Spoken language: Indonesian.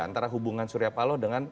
antara hubungan surya paloh dengan